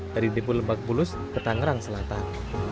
dari dipulau lembak bulus ke tangerang selatan